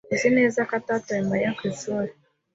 Uzi neza ko atatoye Mariya ku ishuri?